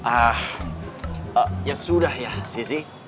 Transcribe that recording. ah ya sudah ya sisi